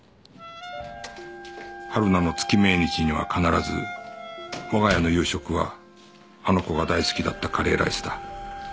春菜の月命日には必ず我が家の夕食はあの子が大好きだったカレーライスだ